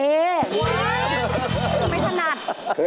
ไม่สนาท